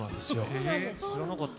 ええ知らなかった。